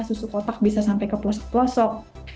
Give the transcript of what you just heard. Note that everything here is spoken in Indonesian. susu kotak bisa sampai ke pelosok pelosok